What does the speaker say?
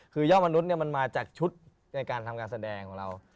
คือยอดมนุษย์มันมาจากชุดในการทำการแสดงของเรา